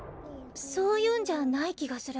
そういうんじゃない気がする。